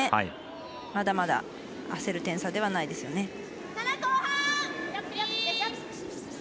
まだまだ焦る点差ではないですよね。